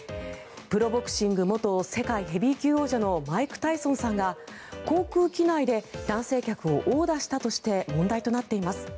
プロボクシング元世界ヘビー級王者のマイク・タイソンさんが航空機内で男性客を殴打したとして問題となっています。